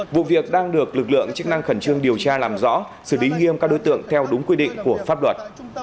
vụ việc đang được lực lượng chức năng khẩn trương điều tra làm rõ xử lý nghiêm các đối tượng theo đúng quy định của pháp luật